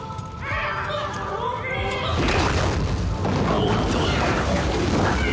おっと！